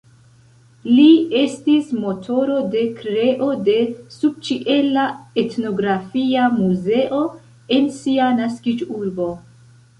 Li estis motoro de kreo de subĉiela etnografia muzeo en sia naskiĝurbo.